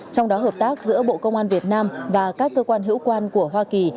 trong đó hợp tác giữa bộ công an việt nam và các cơ quan hữu quan của hoa kỳ